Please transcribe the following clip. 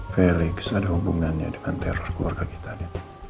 felix ada hubungannya dengan teror keluarga kita dit